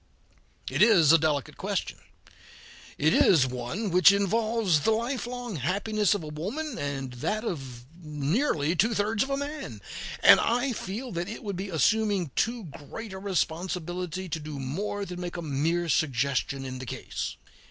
It is a delicate question; it is one which involves the lifelong happiness of a woman, and that of nearly two thirds of a man, and I feel that it would be assuming too great a responsibility to do more than make a mere suggestion in the case.